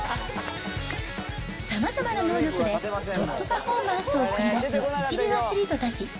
さまざまな能力でトップパフォーマンスを繰り出す一流アスリートたち。